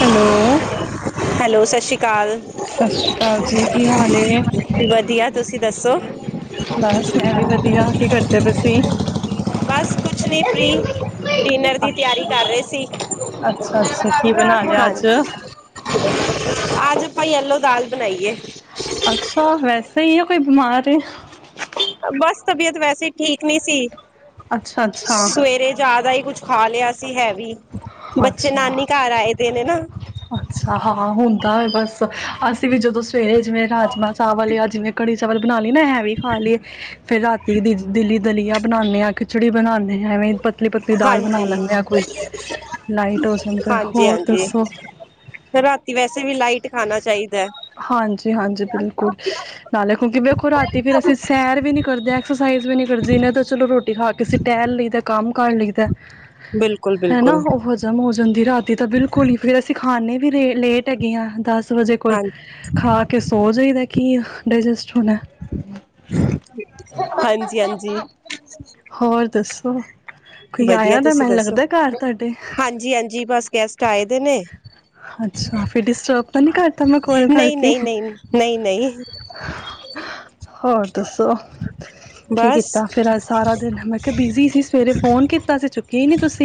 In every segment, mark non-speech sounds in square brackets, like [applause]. Hello hello [unintelligible] [unintelligible] ਸਤਿ ਸ਼੍ਰੀ ਅਕਾਲ ਜੀ ਕੀ ਹਾਲ ਏ ਵਧੀਆ ਤੁਸੀਂ ਦੱਸੋ ਬਸ ਮੈਂ ਵੀ ਵਧੀਆ ਕੀ ਕਰਦੇ ਪਏ ਸੀ ਬਸ ਕੁਛ ਨੀ ਫਰੀ ਡਿਨਰ ਦੀ ਤਿਆਰੀ ਅੱਛਾ ਕਰ ਰਹੇ ਸੀ। ਅੱਛਾ ਅੱਛਾ ਕੀ ਬਣਾ ਲਿਆ ਅੱਜ ਅੱਜ ਭਾਈ ਯੈਲੋ ਦਾਲ ਬਣਾਈਏ ਅੱਛਾ ਵੈਸੇ ਹੀ ਹੈ ਕੋਈ ਬਿਮਾਰ ਐ। ਬਸ ਤਬੀਅਤ ਵੈਸੇ ਠੀਕ ਨਹੀਂ ਸੀ। ਅੱਛਾ ਅੱਛਾ ਸਵੇਰੇ ਜਿਆਦਾ ਹੀ ਕੁਛ ਖਾ ਲਿਆ ਸੀ ਹੈਵੀ ਬੱਚੇ ਅੱਛਾ ਨਾਨੀ ਘਰ ਆਏ ਦੇ ਨੇ ਨਾ ਅੱਛਾ ਹਾਂ ਹੁੰਦਾ ਹੈ ਬਸ ਅਸੀਂ ਵੀ ਜਦੋਂ ਪੇਜਵੇਂ ਰਾਜਮਾ ਚਾਵਲ ਆ ਜਿਵੇਂ ਕੜੀ ਸਵਾਲ ਬਣਾ ਲਈ ਨਾ ਹੈਵੀ ਖਾ ਲਈਏ ਫੇਰ ਰਾਤੀ ਦਿੱਲੀ ਦਲੀਆ ਬਣਾਂਦੇ ਹਾਂ ਖਿਚੜੀ ਬਣਾਂਦੇ ਆ ਐਵੇਂ ਪਤਲੀ ਪਤਲੀ ਦਾਲ ਬਣਾ ਹਾਂਜੀ ਲੈਂਦੇ ਆ ਕੋਈ ਜਾਂਦਾ ਹਾਂਜੀ ਹੋਰ ਹਾਂਜੀ ਦੱਸੋ ਰਾਤੀ ਵੈਸੇ ਵੀ ਲਾਈਟ ਖਾਣਾ ਚਾਹੀਦਾ ਹੈ ਹਾਂਜੀ ਹਾਂਜੀ ਬਿਲਕੁਲ ਨਾਲੇ ਕਿਉਂਕਿ ਵੇਖੋ ਰਾਤੀ ਫਿਰ ਅਸੀਂ ਸੈਰ ਵੀ ਨੀ ਕਰਦੇ ਐਕਸਰਸਾਈਜ਼ ਵੀ ਨੀ ਕਰਦੇ ਇਹਨਾਂ ਤਾਂ ਚਲੋ ਰੋਟੀ ਖਾ ਕੇਸੀਂ ਟਹਿਰ ਲਈਦਾ ਕੰਮ ਕਾਰ ਲਈਖਦਾ। ਬਿਲਕੁਲ ਬਿਲਕੁਲ। ਹੋ ਜਾਂਦੀ ਰਾਤੀ ਤਾਂ ਬਿਲਕੁਲ ਹੀ ਫੇਰ ਅਸੀਂ ਖਾਨੇ ਵੀ ਰੇ ਲੇਟ ਹੈਗੀਆਂ ਦੱਸ ਵਜੇ ਕੋਲ ਹਾਂ ਖਾ ਕੇ ਸੋ ਜਾਈਦਾ। ਕਿ ਡਾਇਜੈਸਟ ਹੋਣਾ ਹਾਂਜੀ ਹਾਂਜੀ। ਹੋਰ ਦੱਸੋ ਓ ਵਧੀਆ ਤੁਸੀਂ ਦੱਸੋ ਤੁਹਾਡੇ ਹਾਂਜੀ ਹਾਂਜੀ ਬਸ ਗੈਸਟ ਆਏ ਵੇ ਨੇ। ਅੱਛਾ ਫਿਰ ਡਿਸਟਰਬ ਤਾਂ ਨੀ ਕਰਤਾ ਮੈਂ ਕੋਲ ਨਹੀਂ ਕਰਕੇ ਨਹੀਂ ਨਹੀਂ ਨਹੀਂ ਨਹੀਂ ਹੋਰ ਦੱਸੋ ਕੀ ਬਸ ਕੀਤਾ ਫੇਰ ਅੱਜ ਸਾਰਾ ਦਿਨ ਮੈਂ ਕਿਹਾ ਬਿਜੀੀ ਸੀ ਸਵੇਰੇ ਫੋਨ ਕੀਤਾ ਸੀ ਚੁਕਿਆ। ਗਏ ਨਹੀਂ ਤੁਸੀ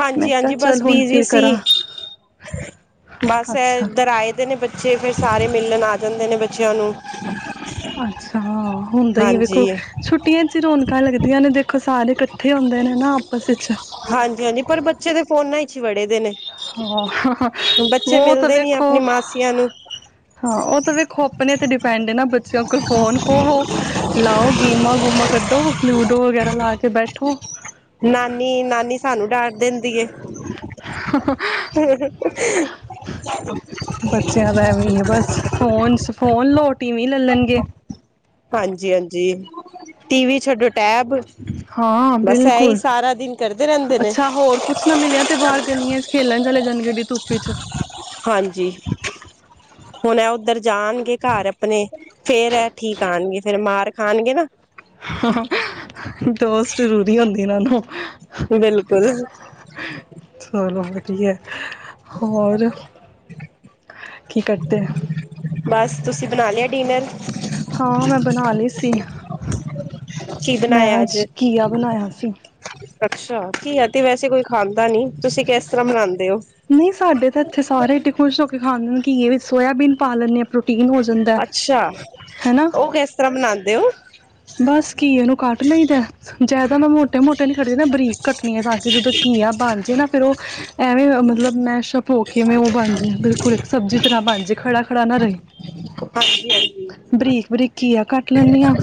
ਹਾਂਜੀ ਹਾਂਜੀ ਬਸ ਬਿਜੀ ਕਰਾਂ ਸੀ। ਬਸ ਅੱਛਾ ਇੱਧਰ ਆਏ ਦੇ ਨੇ ਬੱਚੇ ਫੇਰ ਸਾਰੇ ਮਿਲਣ ਆ ਜਾਂਦੇ ਨੇ। ਬੱਚਿਆਂ ਨੂੰ ਅੱਛਾ। ਹੁੰਦਾ ਹੀ ਹੈ ਹਾਂਜੀ ਵੇਖੋ ਛੁੱਟੀਆਂ ਚ ਰੌਣਕਾਂ ਲੱਗਦੀ। ਆਂ ਨੇ ਦੇਖੋ ਸਾਰੇ ਇਕੱਠੇ ਹੁੰਦੇ ਨੇ ਨਾ ਆਪਸ ਵਿੱਚ ਹਾਂਜੀ ਹਾਂਜੀ ਪਰ ਬੱਚੇ [inaudible] ਹਾਂ ਬੱਚੇ ਉਹ ਤੇ ਮਿਲਦੇ ਨੀ ਵੇਖੋ ਆਪਣੀ ਮਾਸੀਆਂ ਨੂੰ ਹਾਂ ਉਹ ਤੇ ਵੇਖੋ ਆਪਣੇ ਤੇ ਡ ਪੈਂਦੇ ਨਾ ਬੱਚਿਆਂ ਕੋਲ ਫੋਨ ਖੋਵੋ ਲਾਓ ਗੇਮਾਂ ਗੂਮਾਂ ਕੱਢੋ ਲੂਡੋ ਵਗੈਰਾ ਲਾ ਕੇ ਬੈਠੋ ਨਾਨੀ ਨਾਨੀ ਸਾਨੂੰ ਡਾਂਟ ਦਿੰਦੀ ਏ [inaudible] ਬੱਚਿਆਂ ਦਾ ਐਵੇਂ ਬਸ ਫੋਨ ਫੋਨ ਲੋਟ ਟੀਵੀ ਲੈ ਲਣਗੇ ਹਾਂਜੀ ਹਾਂਜੀ ਟੀਵੀ ਛੱਡੋ ਟੈਬ ਹਾਂ ਬਸ ਇਹੀ ਬਿਲਕੁਲ ਸਾਰਾ ਦਿਨ ਕਰਦੇ ਰਹਿੰਦੇ ਨੇ ਅੱਛਾ ਹੋਰ ਕੁਛ ਨਾ ਮਿਲਿਆ ਤੇ ਬਾਹਰ ਗਲੀਆਂ ਚ ਖੇਲਣ ਚੱਲੇ ਜਾਣਗੇ ਰਿ ਧੁੱਪੀ 'ਚ ਹਾਂਜੀ ਹੁਣ ਇਹ ਉੱਧਰ ਜਾਣਗੇ ਘਰ ਆਪਣੇ ਫੇਰ ਇਹ ਠੀਕ ਆਉਣਗੇ ਫੇਰ ਮਾਰ ਖਾਣਗੇ ਨਾ ਹਾਂ ਦੋਸਤ ਜ਼ਰੂਰੀ ਹੁੰਦੀ ਇਹਨਾਂ ਨੂੰ ਬਿਲਕੁਲ ਚਲੋ ਵਧੀਆ ਹੋਰ ਕੀ ਕਰਤੇ ਬਸ ਤੁਸੀਂ ਬਣਾ ਲਿਆ ਡਿਨਰ ਹਾਂ ਮੈਂ ਬਣਾ ਲਈ ਸੀ ਕੀ ਮੈਂ ਬਣਾਇਆ ਅੱਜ ਘੀਆ ਬਣਾਇਆ ਸੀ ਅੱਛਾ ਕੀ ਆ ਤੇ ਵੈਸੇ ਕੋਈ ਖਾਂਦਾ ਨੀ ਤੁਸੀਂ ਕਿਸ ਤਰ੍ਹਾਂ ਬਣਾਉਂਦੇ ਹੋ ਨਹੀਂ ਸਾਡੇ ਤਾਂ ਇੱਥੇ ਸਾਰੇ ਇਡੇ ਖੁਸ਼ ਹੋ ਕੇ ਖਾਂਦੇ ਘੀਆ ਸੋਇਆਬੀਨ ਪਾ ਲੈਣੀ ਹਾਂ ਅੱਛਾ ਹੈਨਾ ਉਹ ਕਿਸ ਤਰ੍ਹਾਂ ਬਣਾਉਂਦੇ ਹੋ ਬਸ ਘੀਏ ਨੂੰ ਉਹਨੂੰ ਕੱਟ ਨਈ ਜਿਆਦਾ ਮੈਂ ਮੋਟੇ ਮੋਟੇ ਨੀ ਕਟਦੀ ਨਾ ਬਰੀਕ ਕੱਟਣੀ ਹੈ ਤਾਂ ਕਿ ਜਦੋਂ ਘੀਆ ਬਣ ਜਾ ਨਾ ਫੇਰ ਉਹ ਐਵੇਂ ਮਤਲਬ ਮੈਂ ਛਪੋ ਕੇਵੇਂ ਉਹ ਬਣ ਜਾ ਬਿਲਕੁਲ ਇੱਕ ਸਬਜ਼ੀ ਤਰ੍ਹਾਂ ਬਣ ਜਾ ਖੜਾ ਖੜਾ ਨਾ ਰਹੇ ਹਾਂਜੀ ਹਾਂਜੀ ਬਰੀਕ ਬਰੀਕ ਘੀਆ ਕੱਟ ਲੈਂਦੀ ਹਾਂ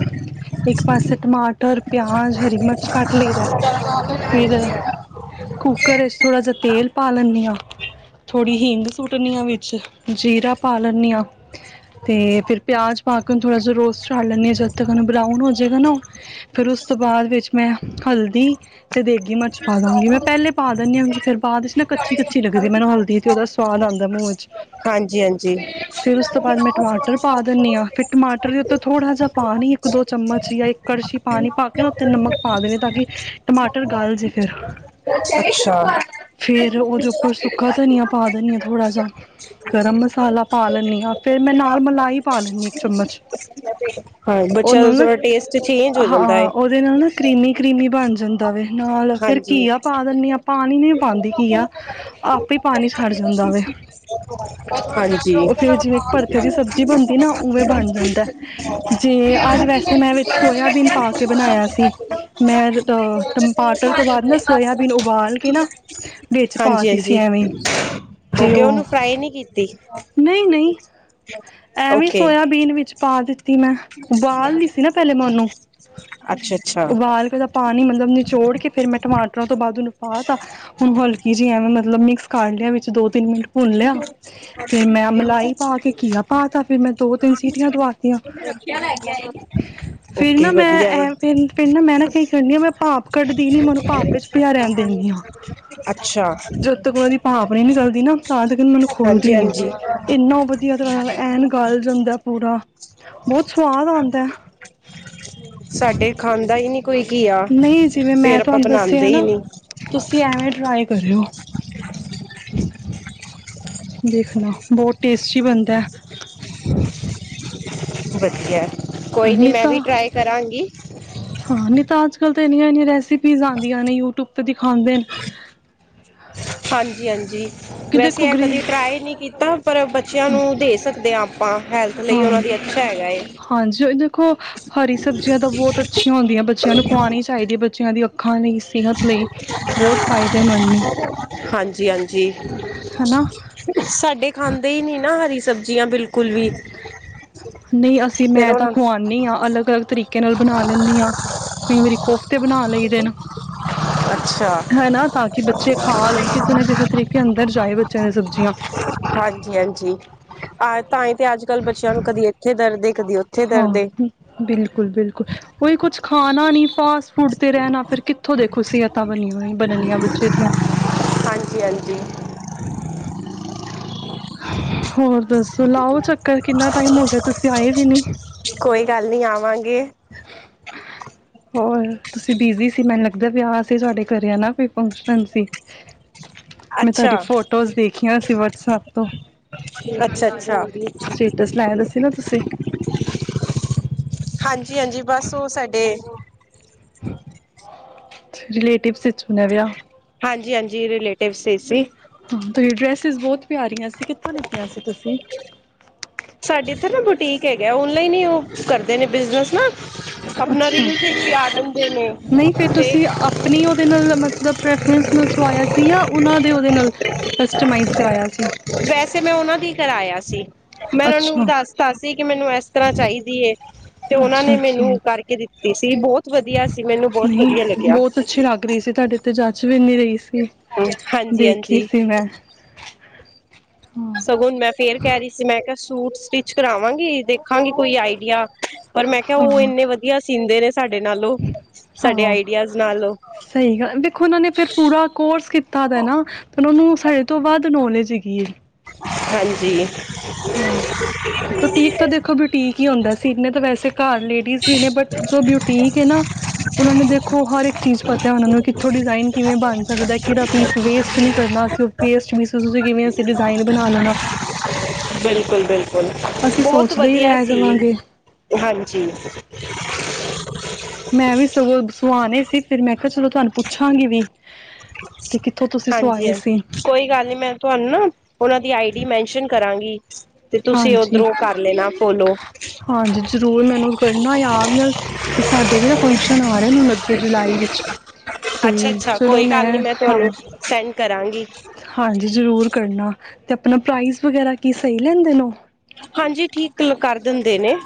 ਇੱਕ ਪਾਸੇ ਟਮਾਟਰ ਪਿਆਜ ਹਰੀ ਮਿਰਚ ਕੱਟ ਲਈਦਾ ਫਿਰ ਕੁੱਕਰ ਵਿੱਚ ਥੋੜ੍ਹਾ ਜਹਾ ਤੇਲ ਪਾ ਲੈਂਦੀ ਹਾਂ ਥੋੜ੍ਹੀ ਹਿੰਗ ਸੁੱਟਣੀ ਹਾਂ ਵਿੱਚ ਜੀਰਾ ਪਾ ਲੈਂਦੀ ਹਾਂ ਤੇ ਫੇਿਰ ਪਿਆਜ ਪਾ ਕੇ ਥੋੜ੍ਹਾ ਜਿਹਾ ਰੋਸਟ ਚੜ ਲੈਂਣੀ ਹਾਂ ਜਦ ਤਕ ਬਰਾਊਨ ਹੋ ਜਾਏਗਾ ਨਾ ਫੇਿਰ ਉਸ ਤੋਂ ਬਾਅਦ ਵਿੱਚ ਮੈਂ ਹਲਦੀ ਤੇ ਦੇਗੀ ਮਿਰਚ ਪਾ ਦੇਵਾਂਗੀ ਮੈਂ ਪਹਿਲੇ ਪਾ ਦਿੰਦੀ ਹਾਂਗੀ ਫੇਿਰ ਬਾਅਦ ਇਸ ਨਾ ਕੱਚੀ ਕੱਚੀ ਲੱਗਦੀ ਮੈਨੂੰ ਹਲਦੀ ਤੇ ਉਹਦਾ ਸਵਾਦ ਆਉਂਦਾ ਮੂੰਹਚ ਹਾਂਜੀ ਹਾਂਜੀ ਫੇਿਰ ਉਸ ਤੋਂ ਬਾਅਦ ਮੈਂ ਟਮਾਟਰ ਪਾ ਦਿੰਦੀ ਹਾਂ ਫਿਰ ਟਮਾਟਰ ਦੇ ਉੱਤੇ ਥੋੜਾ ਜਿਹਾ ਪਾਣੀ ਚਮਚ ਜਾਂ ਇੱਕ ਕੜਛੀ ਪਾਣੀ ਪਾ ਕੇ ਨਾ ਉਤੇ ਨਮਕ ਪਾ ਦੇਵੇ ਤਾਂ ਕਿ ਟਮਾਟਰ ਗਲ ਜੇ ਫਿਰ ਅੱਛਾ। ਫਿਰ ਉਹਦੇ ਉੱਪਰ ਸੁੱਕਾ ਧਨੀਆ ਪਾ ਦਿੰਦੀ ਹਾਂ ਥੋੜ੍ਹਾ ਜ ਗਰਮ ਮਸਾਲਾ ਪਾ ਲੈਂਦੀ ਹਾਂ ਫੇਰ ਮੈਂ ਨਾਲ ਮਲਾਈ ਪਾ ਲੈਂਦੀ ਹਾਂ ਇੱਕ ਚਮਚ, ਅ, ਤੇ ਹਾਂ, ਉਹ ਬੱਚਿਆਂ ਦਾ ਨਾਲ ਨਾ ਥੋੜਾ ਟੇਸਟ ਚੇਂਜ ਹੋ ਜਾਂਦਾ ਹਾਂ ਏ ਉਹਦੇ ਨਾਲ ਨਾ ਕਰੀਮੀ ਕਰੀਮੀ ਬਣ ਜਾਂਦਾ ਵ ਨਾਲ ਫਿਰ ਘੀਆ ਪਾ ਦਿੰਦੇ ਹਾਂ ਪਾਣੀ ਪਾਣੀ ਨੀ ਪਾਉਂਦੀ ਘੀਆ ਆਪੇ ਪਾਣੀ ਛੱਡ ਜਾਂਦਾ ਵੇ ਹਾਂਜੀ ਉਹ ਫਿਰ ਜਿਵੇਂ ਭਰਥੇ ਦੀ ਸਬਜ਼ੀ ਬਣਦੀ ਤੇ ਅੱਜ ਵੈਸੇ ਮੈਂ ਵਿੱਚ ਸੋਇਆਬੀਨ ਪਾ ਕੇ ਬਣਾਇਆ ਸੀ, ਮੈਂ ਅ ਟਮਾਟਰ ਤੋਂ ਬਾਅਦ ਨਾ ਸੋਇਆਬੀਨ ਉਬਾਲ ਕੇ ਨਾ ਵਿੱਚ ਪਾ ਤ ਸੀ ਐਵੇਂ। ਓਕ ਉਹਨੂੰ ਫਰਾਈ ਨਹੀਂ ਕੀਤੀ? ਨਹੀਂ-ਨਹੀਂ, ਐਵੇਂ ਓਕੇ ਸੋਇਆਬੀਨ ਵਿੱਚ ਪਾ ਦਿੱਤਾ ਮੈਂ ਉਬਾਲਦੀ ਸੀ ਨਾ ਪਹਿਲੇ ਮੈਂ ਉਹਨੂੰ, ਅੱਛਾ, ਅੱਛਾ ਉਬਾਲ ਕੇ ਉਹਦਾ ਪਾਣੀ ਮਤਲਬ ਨਿਚੋੜ ਕੇ ਫਿਰ ਮੈਂ ਟਮਾਟਰਾਂ ਤੋਂ ਬਾਅਦ ਉਹਨੂੰ ਪਾ ਤਾ ਹੁਣ ਹਲਕੀ ਜਿਹੀ ਐਵੇਂ ਮ ਮਤਲਬ ਮਿਕਸ ਕਰ ਲਿਆ। ਦੋ ਤਿੰਨ ਮਿੰਟ ਭੁੰਨ ਲਿਆ। ਫੇਰ ਮੈਂ ਮਲਾਈ ਪਾ ਕੇ ਘੀਆ ਪਾ ਤਾ ਫਿਰ ਮੈਂ ਦੋ ਤਿੰਨ ਸੀਟੀਆਂ ਦਵਾਤੀਆਂ, ਫਿਰ ਓਕੇ ਨਾ ਵਧੀਆ ਏ। ਮੈਂ ਫ ਫਿਰ ਨਾ ਮੈਂ ਨਾ ਕ ਖਣੀ ਆ ਮੈਂ ਭਾਪ ਕੱਢਦੀ ਨੀ ਮੈਨੂੰ ਪਾਪ ਵਿੱਚ ਪਿਆ ਰਹਿਣ ਦਿੰਦੀ ਹਾਂ, ਅੱਛਾ ਜਦੋਂ ਤੱਕ ਉਹਨਾਂ ਦੀ ਪਾਫ ਨਹੀਂ ਨਿਕਲਦੀ ਨਾ ਤਾਂ ਤੱਕ ਮੈਨੂੰ ਹਾਂਜੀ, ਖੁਲਦੀ ਨੀ। ਹਾਂਜੀ ਇੰਨਾ ਵਧੀਆ ਤਰ੍ਹਾਂ ਨਾਲ ਐਨ ਗਾਲ ਜਾਂਦਾ। ਪੂਰਾ ਬਹੁਤ ਸਵਾਦ ਆਉਂਦਾ। ਸਾਡੇ ਖਾਂਦਾ ਹੀ ਨੀ ਕੋਈ ਘੀਆ ਨਹੀਂ ਜਿਵੇਂ ਮੈਂ ਫੇਰ ਆਪਾਂ ਤੁਹਾਨੂੰ ਬਣਾਦੇ ਦੱਸਿਆ ਹੀ ਨਾ ਨੀ ਤੁਸੀਂ ਐਵੇਂ ਡਰਾਇੰਗ ਕਰੇਓ, ਦੇਖਣਾ ਬਹੁਤ ਟੇਸਟੀ ਬਣਦਾ। ਵਧੀਆ। ਕੋਈ ਹਾਂ ਨੀ ਨਹੀਂ ਮੈਂ ਵੀ ਤਾਂ ਟਰਾਈ ਕਰਾਂਗੀ। [inaudible] [inaudible] ਨਹੀਂ ਤਾਂ ਅੱਜ ਕੱਲ੍ਹ ਤੇ ਇੰਨੀਆਂ ਇੰਨੀਆਂ ਰੈਸਪੀ ਪੀਜ਼ ਆਉਂਦਿਆਂ ਨੇ ਯੂਟਿਊਬ ਤੇ ਦਿਖਾਉਂਦੇ ਨੇ। ਹਾਂਜੀ-ਹਾਂਜੀ। ਕਿ ਵੈਸੇ ਦੇਖੋ ਇਹ ਗ੍ਰੀ ਕਦੀ ਟਰਾਈ ਨਹੀ ਕੀਤ ਤਾਂ ਪਰ ਬੱਚਿਆਂ ਨੂੰ ਦੇ ਸਕਦੇ ਹਾਂ ਆਪ ਹਾਂ, ਹਾਂਜੀ ਉਹ ਦੇਖੋ, ਹਰੀ ਸਬਜ਼ੀਆਂ ਤਾਂ ਬਹੁਤ ਅੱਛੀਆਂ ਹੁੰਦੀਆਂ ਬੱਚਿਆਂ ਨੂੰ, ਖਵਾਣੀ ਚਾਹੀਦੀ ਹੈ। ਬ ਬੱਚਿਆਂ ਦੀ ਅੱਖਾਂ ਲਈ, ਸਿਹਤ ਲਈ, ਬਹੁਤ ਫਾਇਦੇਮੰਦ ਨੇ। ਹਾਂਜੀ, ਹਾਂਜੀ ਹਨਾ ਸਾਡੇ ਖਾਂਦੇ ਹੀ ਨੀ ਨਾ, ਹਰੀ ਸਬਜ਼ੀ। ਜਿਆਂ ਬਿਲਕੁਲ ਵੀ। ਨਹੀਂ ਅਸੀਂ ਫਿਰ ਮੈਂ ਤਾਂ ਉਹਨਾਂ ਖਵਾਨੀ ਆਂ, ਅਲੱਗ ਅਲੱਗ ਤਰੀਕੇ ਨਾਲ ਬਨਾ ਲੈਂਨੀ ਆਂ। ਕਈ ਵਾਰੀ, ਕੋਫਤੇ ਬਣਾ ਲਈ ਦੇਨ। ਅੱਛਾ ਹੈਨਾ, ਤਾਂ ਕਿ ਬੱਚੇ ਖਾ ਲੈਨ ਕਿਸੇ ਨਾ ਕਿਸੇ ਤਰੀਕੇ ਕਿ ਅੰਦਰ ਜਾਏ ਬੱਚਿਆਂ ਦੇ ਸਬਜ਼ੀਆਂ। ਹਾਂਜੀ, ਹਾਂਜੀ ਆ ਤਾਂ ਹੀ ਤੇ ਅੱਜ- ਕੱਲ ਬੱਚਿਆਂ ਨੂੰ ਕਦੀ ਇੱਥੇ ਦਰਦ ਈ। ਹਾਂ ਬਿ ਬਿਲਕੁਲ -ਬਿਲਕੁਲ ਉਹੀ ਕੁਛ ਖਾਨਾ ਨੀ ਫਾਸਟ- ਫੂਡ ਤੇ ਰਹਿਨਾ, ਫਿਰ ਕਿੱਥੋਂ ਦੇਖੋ ਸਿਹਤਾਂ ਬਨੀਆਂ ਹੋਇ ਬਨਨੀਆਂ ਬੱਚੇ ਦੀਆਂ। ਹਾਂਜੀ ਹਾਂਜੀ ਹੋਰ ਦੱਸੋ, ਲਾਓ ਚੱਕਰ ਕਿੰਨਾ ਟਾਈਮ ਹੋ ਗਿਆ, ਤੁਸੀ ਆਏ ਵੀ ਨੀ। ਕੋਈ ਗੱਲ ਨੀ ਆਵਾਂਗੇ। ਹੋਰ ਤੁਸੀਂ ਬਿਜੀ ਸੀ ਮੈਨੂੰ ਲੱਗਦਾ, ਵਿਆਹ ਸੀ ਤੁਹਾਡੇ ਘਰੇ ਹੈਨਾ ਕੋਈ ਫੰਕਸ਼ਨ ਸੀ। ਮੈਂ ਤੁਹਾਡੀ ਅੱਛਾ ਫੋਟੋਜ਼ ਦੇਖੀਆਂ ਸੀ ਵਟਸਪ ਤੋਂ, ਅੱਛਾ ਅੱਛਾ ਸਟੇਟਸ ਲਾਇਆ ਦਾ ਸੀ ਨਾ ਤੁਸੀ। ਹਾਂਜੀ -ਹਾਂਜੀ ਬਸ ਉਹ ਸਾਡੇ ਹ [inaudible] ਰਿਲੇਟਿਵ ਸੀ। ਹਾਂਜੀ ਹਾਂਜੀ ਰਿਲੇਟਿਵ ਸੀ‌ ਸੀ। ਹਾਂ ਤੇਰੀ ਡਰੈਸਿਸ ਬਹੁਤ ਪਿਆਰੀਆਂ ਸੀ। ਕਿੱਥੋਂ ਲਿਤੀਆਂ ਸੀ ਤੁਸੀ? ਔਨਲਾਈਨ ਹੀ ਉਹ ਕਰਦੇ ਨੇ, ਬਿਜ਼ਨਸ ਨਾ। ਆਪਣਾ ਅੱਛਾ, ਰੀਲਸ ਵਿੱਚ ਵੀ ਆ ਜਾਂਦੇ ਨੇ ਨਹੀਂ ਫੇਰ ਤੇ ਤੁਸੀ ਆਪਨੀ ਉਹਦੇ ਨਾਲ, ਮਤਲਬ ਪ੍ਰੈਫਰੈਂਸ ਨਾਲ ਸਵਾਇਆ ਸੀ। ਸੀ ਉਹਨਾਂ ਦੇ ਉਹਦੇ ਨਾਲ। ਕਸਟਮਾਈਜ਼ ਕਰਾਇਆ ਸੀ [inaudible] ਵੈਸੇ ਮੈਂ ਉਹਨਾਂ ਦੀ ਕਰਾਇਆ ਸੀ, ਮੈਂ ਉਹਨਾਂ ਨੂੰ ਅੱਛਾ ਦੱਸ- ਦੱਸ ਕਿ ਮੈਨੂੰ ਇਸ ਤਰ੍ਹਾਂ ਚਾਹੀਦੀ ਏ, ਤੇ ਉਹਨਾਂ ਅੱਛਾ ਨੇ ਅੱਛਾ ਮੈਨੂੰ ਕਰਕੇ ਦਿੱਤੀ [unintelligible] ਵਧੀਆ ਸੀ ਮੈਨੂੰ ਬਹੁਤ ਨਹੀਂ ਵਧੀਆ ਲੱਗਿਆ ਬਹੁਤ ਅੱਛੀ ਲੱਗ ਰਹੀ ਸੀ, ਤੁਹਾਡੇ ਤੇ ਜਚ ਵੀ ਇੰਨੀ ਰਹੀ ਸੀ। ਹਾਂਜੀ ਦੇਖੀ ਹਾਂਜੀ ਸੀ ਮੈਂ ਹਾਂ ਸਗੋਂਣ, ਮੈਂ ਫੇਰ ਕਹਿ ਰਹੀ ਸੀ ਮੈਂ ਕਿਹਾ ਸੂਟ ਸਟਿੱਚ ਕਰਾਵਾਂਗੀ, ਦੇਖਾਂਗੀ ਕੋਈ ਆਈਡੀਆ ਪਰ ਮੈਂ ਕਿਹਾ ਉਹ ਹਾਂ ਇੰਨੇ ਵਧੀਆ ਸੀਂਦੇ ਨੇ ਸਾਡੇ ਨਾਲੋਂ ਸਾਡੇ ਹਾਂ ਆਈਡੀਆਜ਼ ਨਾਲੋਂ ਸਹੀ ਗੱਲ ਦੇਖੋ ਉਹਨਾਂ ਨੇ ਫਿਰ ਪੂਰਾ ਕੋਰਸ ਕੀਤਾ ਦੈ ਨਾ ਉਹਨਾਂ ਨੂੰ ਸਾਡੇ ਤੋਂ ਵੱਧ ਨੌਲੇਜ ਹੇਗੀ ਏ। ਹਾਂਜੀ। ਹਾਂ ਬੁਟੀਕ ਤਾਂ ਦੇਖੋ ਬੁਟੀਕ ਹੀ ਹੁੰਦਾ ਸੀਨੇ ਤਾਂ ਵੈਸੇ ਘਰ ਲੇਡੀਜ਼ ਵੀ ਨੇ ਬਟ ਜੋ ਬੁਟੀਕ ਏ ਨਾ ਉਹਨਾ ਨੂੰ ਦੇਖੋ ਹਰ ਇੱਕ ਚੀਜ਼ ਪਤਾ ਉਹਨਾਂ ਨੂੰ ਕਿੱਥੋਂ ਡਿਜ਼ਾਇਨ ਕਿਵੇਂ ਬਣ ਸਕਦਾ, ਕਿਹੜਾ ਪੀਸ ਵੇਸਟ ਨੀ ਕਰਨਾ ਅਸੀਂ, ਉਹ ਵੇਸਟ ਵੀ ਤੁਸੀਂ ਕਿਵੇਂ ਅਸੀਂ ਡਿਜ਼ਾਇਨ ਬਣਾ ਲੈਣਾ। ਬਿਲਕੁਲ-ਬਿਲ ਅਸੀਂ ਬਹੁਤ ਸੋਚਦੇ ਹੀ ਵਧੀਆ ਰਹਿ ਸੀ। ਜਾਵਾਂਗੇ। ਹਾਂਜੀ। ਮੈਂ ਵੀ ਸਗੋਂ ਸੁਆਣੇ ਸੀ ਫਿਰ ਮੈਂ ਕਿਹਾ ਚਲੋ ਤੁਹਾਨੂੰ ਪੁੱਛਾਂਗੀ ਵੀ। ਤੇ ਕਿੱਥੋਂ ਤੁਸੀਂ ਸਵਾਏ ਸੀ ਹਾਂਜੀ-ਹਾਂਜੀ ਕੋਈ ਗੱਲ ਨਹੀਂ ਮੈਂ ਤੁਹਾਨੂੰ ਨਾ ਉਹਨਾਂ ਦੀ ਆਈ ਡੀ ਮੈਨਸ਼ਨ ਕਰਾਂਗੀ। [inaudible] ਤੇ ਤੁਸੀਂ ਹਾਂਜੀ। ਉਧਰੋਂ ਕਰ ਲੈਣਾ ਫੋਲੋ। ਹਾਂਜੀ ਜਰੂਰ ਮੈਨੂੰ ਕਰਨਾ ਯਾਦ ਨਾਲ ਕਿ ਸਾਡੇ ਵੀ ਨਾ ਫੰਕਸ਼ਨ ਆ ਰਹੇ ਅਗੇ ਜੁਲਾਈ ਵਿੱਚ। ਤੇ ਅੱਛਾ-ਅੱਛਾ ਚਲੋ ਕੋਈ ਗੱਲ ਨੀ ਮੈਂ ਤੁਹਾਨੂੰ ਹਾਂ ਸੈਂਡ ਕਰਾਂ ਹਾਂਜੀ ਜ਼ਰੂਰ ਕਰਨਾ ਤੇ ਆਪਣਾ ਪ੍ਰਾਈਜ਼ ਵਗੈਰਾ ਕੀ ਸਹੀ ਲੈਂਦੇ ਨੇ ਉਹ? ਹਾਂਜੀ ਠੀਕ ਕਰ ਦਿੰਦੇ ਨੇ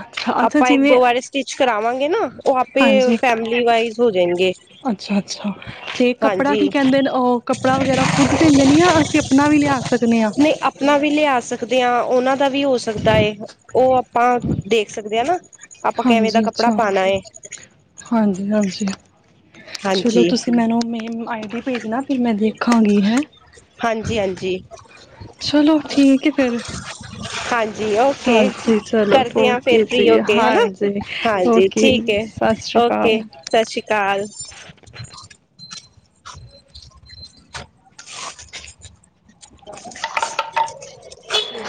ਅੱਛਾ ਅੱਛਾ ਆਪਾਂ ਇੱਕ ਜਿਵੇਂ ਦੋ ਵਾਰ ਸਟੀ ਕਰਾਵਾਂਗੇ ਨਾ ਉਹ ਆਪੇ ਫੈਮਿਲੀ ਵਾਈਜ਼ ਜਾਣਗੇ ਅੱਛਾ-ਅੱਛਾ ਤੇ ਕੱਪੜਾ ਹਾਂਜੀ ਕੀ ਕਹਿੰਦੇ ਓ ਕੱਪੜਾ ਵਗੈਰਾ ਖੁਦ ਦਿੰਦੇ ਨੇ ਯਾ ਅਸੀਂ ਆਪਣਾ ਵੀ ਲਿਆ ਸਕਨੇ ਯਾ? ਨਹੀਂ ਆਪਣਾ ਵੀ ਲਿਆ ਸਕਦੇ ਉਹਨਾਂ ਦਾ ਵੀ ਹੋ ਸਕਦਾ ਹੈ ਉਹ ਆਪਾਂ ਦੇਖ ਸਕਦੇ ਹੈ ਨਾ। ਆਪਾਂ ਕਿਵੇਂ ਦਾ ਹਾਂਜੀ। ਕੱਪੜਾ ਅੱਛਾ, ਪਾਉਣਾ ਹੈ ਹਾਂਜੀ-ਹਾਂਜੀ ਚਲੋ ਹਾਂਜੀ ਤੁਸੀਂ ਮੈਨੂੰ ਮ ਆਈ-ਡੀ ਭੇਜਣਾ ਫਿਰ ਮੈਂ ਦੇਖਾਂਗੀ ਹੈ ਹਾਂਜੀ ਹਾਂਜੀ ਚਲੋ ਠੀਕ ਏ ਫਿਰ। ਹਾਂਜੀ। ਜੀ ਓਕੇ ਹਾਂਜੀ ਚਲੋ ਕਰਦੇ ਹ ਫਿਰ ਓਕੇ ਫੀ ਹੋ ਜੀ ਕੇ ਹੈਨਾ, ਹਾਂਜੀ ਹਾਂਜੀ ਓਕੇ ਠੀਕ ਹੈ ਸਤਿ ਸ਼੍ਰੀ ਅਕਾਲ ਓਕੇ ਸਤਿ ਸ੍ਰੀ ਅਕਾਲ। [inaudible]